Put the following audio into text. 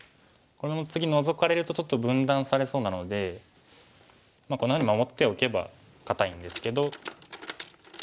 この次ノゾかれるとちょっと分断されそうなのでこんなふうに守っておけば堅いんですけど。